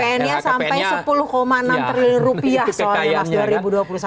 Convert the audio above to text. pn nya sampai sepuluh enam triliun rupiah soalnya mas dua ribu dua puluh satu